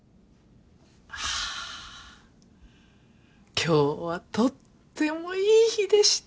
今日はとってもいい日でした。